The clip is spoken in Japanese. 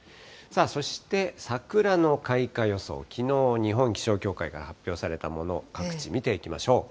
そして桜の開花予想、きのう、日本気象協会が発表されたもの、各地、見ていきましょう。